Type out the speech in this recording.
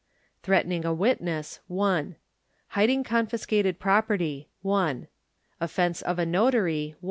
Threatening a witness Hiding confiscated property . Offence of a Notary